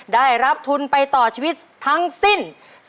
ได้รับทุนไปต่อชีวิตทั้งสิ้น